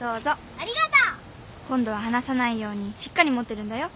ありがとう！今度は離さないようにしっかり持ってるんだよ。